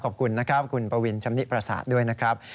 ขอบคุณนะครับคุณปวินชำนิประสาทด้วยนะครับ